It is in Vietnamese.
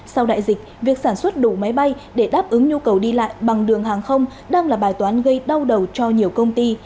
sau đại dịch việc sản xuất đủ máy bay để đáp ứng nhu cầu đi lại bằng đường hàng không đang là bài toán gây đau đầu cho nhiều công ty